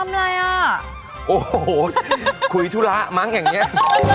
โวววคุยธุระมั้งอย่างงี้